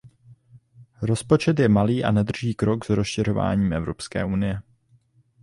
Rozpočet je malý a nedrží krok s rozšiřováním Evropské unie.